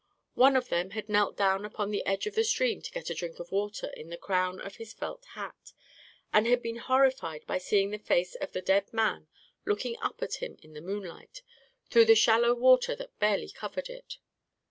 One of them had knelt down upon the edge of the stream to get a drink of water in the crown of his felt hat, and had been horrified by seeing the face of the dead man looking up at him in the moonlight, through the shallow water that barely covered it.